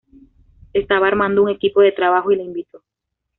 Estaba armando un equipo de trabajo y la invitó.